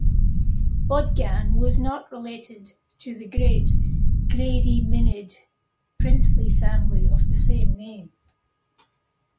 Bogdan was not related to the great Gedyminid princely family of the same name.